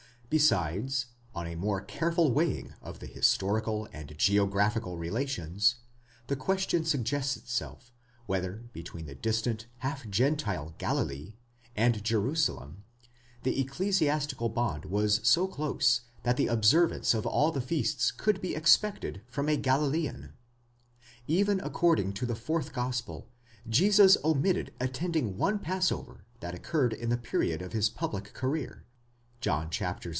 Besides, on a more careful weighing of the historical and geographical relations, the question suggests itself, whether between the distant, half Gentile Galilee, and Jerusalem, the ecclesiastical bond was so close that the observance of all the feasts could be "4 Hug, Einleit. in das N. T., 2, 5. 210. LOCALITY OF THE PUBLIC LIFE OF JESUS. 271 expected from a Galilean? Even according to the fourth gospel, Jesus omitted attending one passover that occurred in the «period of his public career (John vi.